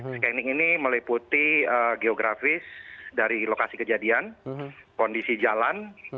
scanning ini meliputi geografis dari lokasi kejadian kondisi jalan